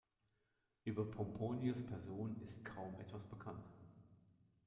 Über Pomponius’ Person ist kaum etwas bekannt.